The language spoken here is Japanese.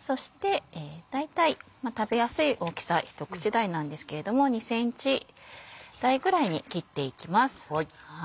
そして大体食べやすい大きさ一口大なんですけれども２ｃｍ大ぐらいに切っていきます。